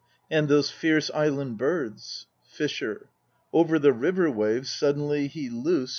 And those fierce island birds FISHER Over the river waves suddenly he loosed